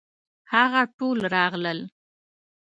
هغه ټول راغلل.